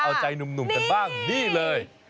เอาใจหนุ่มกันบ้างนี่เลย